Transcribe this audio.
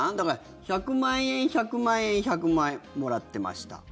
１００万円、１００万円１００万円もらってました。